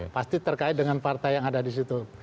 pasti terkait dengan partai yang ada di situ